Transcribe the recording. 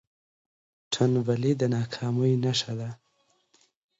ټنبلي د ناکامۍ نښه ده.